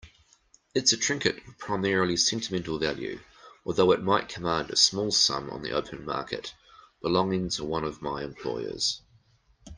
It's a trinket of primarily sentimental value, although it might command a small sum on the open market, belonging to one of my employers.